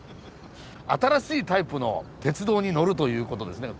新しいタイプの鉄道に乗るということですね。